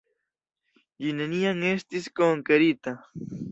Ĝi neniam estis konkerita.